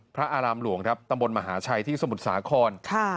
พระอารำหลวงตำรวจมหาชัยที่สมุดสาคร